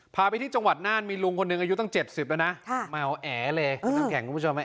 พาไปที่จังหวัดน่านมีลุงคนหนึ่งอายุตั้งเจ็บสิบแล้วน่ะค่ะมาเอ๋เลย